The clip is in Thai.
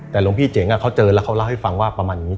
แต่หลวงพี่เจ๋งเขาเจอแล้วเขาเล่าให้ฟังว่าประมาณนี้